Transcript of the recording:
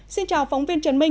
xin chào phóng viên trần minh